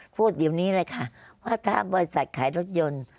พูดเดี๋ยวนี้เลยค่ะว่าถ้าบริษัทขายรถยนต์